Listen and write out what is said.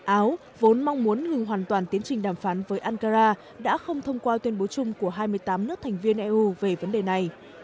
áo vốn mong muốn ngừng hoàn toàn tiến trình đàm phán với ankara đã không thông qua tuyên bố chung của hai mươi tám nước thành viên eu về vấn đề này